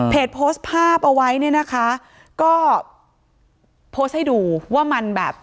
โพสต์ภาพเอาไว้เนี่ยนะคะก็โพสต์ให้ดูว่ามันแบบ